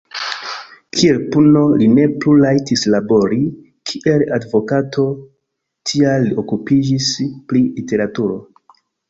Kiel puno, li ne plu rajtis labori, kiel advokato, tial li okupiĝis pri literaturo.